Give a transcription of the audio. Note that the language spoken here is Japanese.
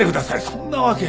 そんなわけ。